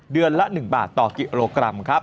เดือนละ๑บาทต่อกิโลกรัมครับ